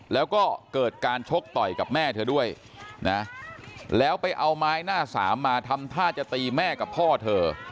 แล้วก็เกิดการชกต่อยกับแม่เธอด้วยนะแล้วไปเอาไม้หน้าสามมาทำท่าจะตีแม่กับพ่อเธอ